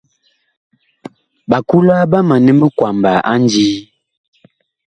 Ɓakula ɓa manɛ minkwaba a ndii.